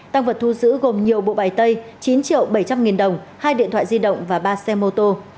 tăng vật thu giữ gồm nhiều bộ bài tay chín triệu bảy trăm linh nghìn đồng hai điện thoại di động và ba xe mô tô